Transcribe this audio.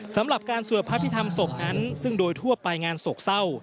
สำหรับการสวดพระพิธรรมศพนั้นซึ่งโดยทั่วไปงานโศกเศร้า